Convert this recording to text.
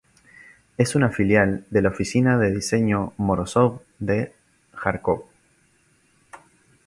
Es una filial de la Oficina de Diseño Morozov de Járkov.